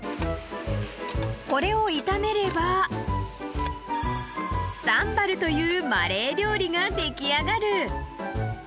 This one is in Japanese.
［これを炒めればサンバルというマレー料理が出来上がる］